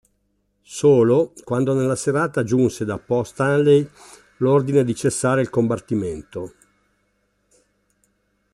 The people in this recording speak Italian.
Solo quando nella serata giunse da Port Stanley l'ordine di cessare il combattimento.